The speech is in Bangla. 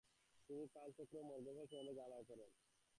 তিনি কালচক্র ও মার্গফল সম্বন্ধে জ্ঞানলাভ করেন।